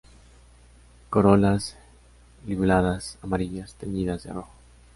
Corolas liguladas, amarillas; teñidas de rojo.